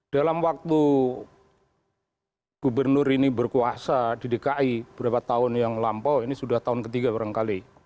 dalam waktu gubernur ini berkuasa di dki berapa tahun yang lampau ini sudah tahun ketiga barangkali